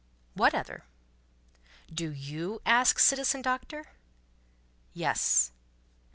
"What other?" "Do you ask, Citizen Doctor?" "Yes."